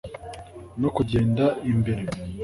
no kugenda imbere,